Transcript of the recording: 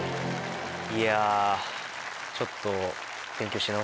いやぁちょっと。